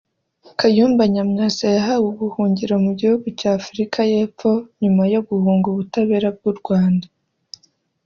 Kayumba Nyamwasa yahawe ubuhungiro mu gihugu cy Afurika y’epfo nyuma yo guhunga ubutabera bw’u Rwanda